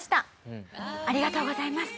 「ありがとうございます！」。